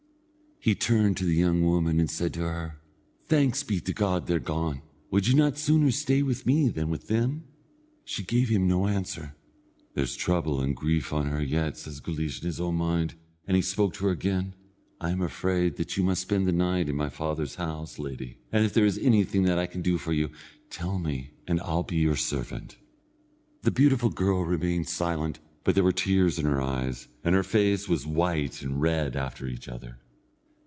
He turned to the young woman and said to her: "Thanks be to God, they're gone. Would you not sooner stay with me than with them?" She gave him no answer. "There's trouble and grief on her yet," said Guleesh in his own mind, and he spoke to her again: "I am afraid that you must spend this night in my father's house, lady, and if there is anything that I can do for you, tell me, and I'll be your servant." The beautiful girl remained silent, but there were tears in her eyes, and her face was white and red after each other.